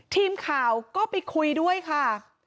ทีมข่าวก็ไปคุยด้วยค่ะ